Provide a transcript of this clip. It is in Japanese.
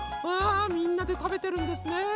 うわみんなでたべてるんですね。